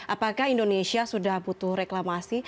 apakah indonesia sudah butuh reklamasi